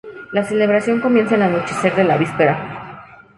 La celebración comienza al anochecer de la víspera.